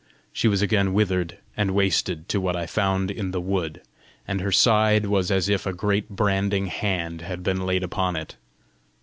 She was again withered and wasted to what I found in the wood, and her side was as if a great branding hand had been laid upon it.